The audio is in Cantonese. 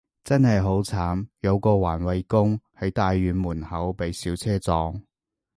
真係好慘，有個環衛工，喺大院門口被小車撞